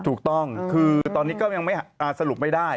ถูกต้องคือตอนนี้ก็ยังไม่สรุปไม่ได้